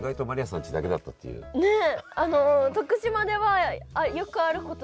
ねえ。